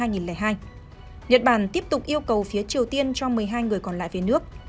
nhật bản tiếp tục yêu cầu phía triều tiên cho một mươi hai người còn lại về nước